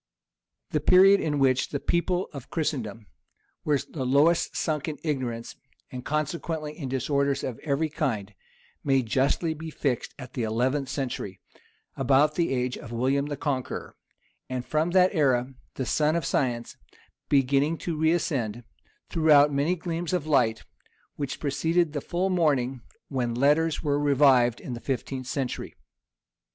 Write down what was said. The period in which the people of Christendom were the lowest sunk in ignorance, and consequently in disorders of every kind, may justly be fixed at the eleventh century, about the age of William the Conqueror; and from that era the sun of science, beginning to reascend, threw out many gleams of light, which preceded the full morning when letters were revived in the fifteenth century.